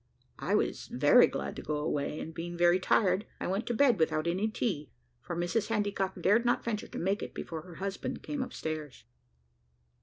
I was very glad to go away, and being very tired, I went to bed without any tea, for Mrs Handycock dared not venture to make it before her husband came upstairs.